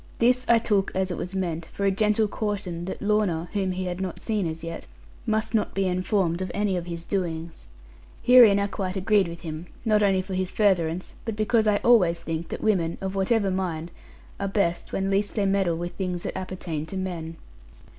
This I took, as it was meant, for a gentle caution that Lorna (whom he had not seen as yet) must not be informed of any of his doings. Herein I quite agreed with him; not only for his furtherance, but because I always think that women, of whatever mind, are best when least they meddle with the things that appertain to men.